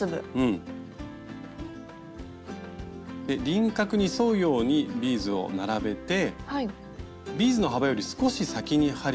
輪郭に沿うようにビーズを並べてビーズの幅より少し先に針を落とします。